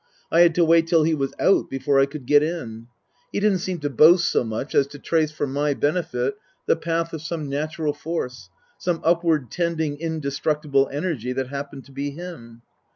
I had to wait till he was " out " before I could get in.) He didn't seem to boast so much as to trace for my benefit the path of some natural force, some upward tending, indestructible Energy that happened to be him.